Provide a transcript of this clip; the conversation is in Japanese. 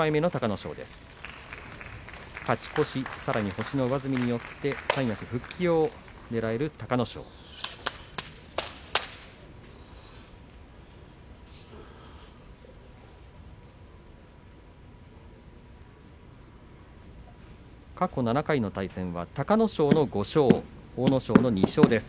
勝ち越し、さらに星の上積みによって三役復帰をねらえる隆の勝です。